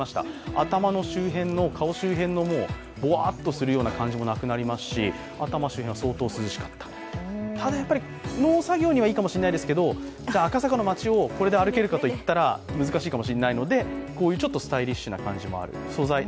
頭の周辺、顔周辺のぼわっとするような感じもなくなりますし、頭周辺は相当涼しかったただ、農作業にはいいかもしれないですけど、赤坂の街をこれで歩けるかといったら難しいかもしれないので、こういうスタイリッシュな形もある。